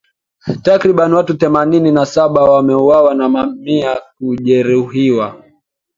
Takribani watu themanini na saba wameuawa na mamia kujeruhiwa